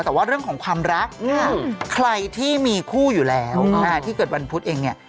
แต่ว่าเรื่องของความรักใครที่มีคู่อยู่แล้วที่เกิดวันพุธเองเนี่ย